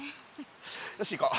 よし行こう。